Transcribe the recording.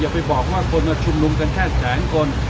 ไปบอกว่าคนมาชุมนุมกันแค่แสนคน